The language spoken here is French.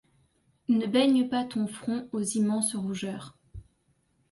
Ne baigne pas ton front aux immenses rougeurs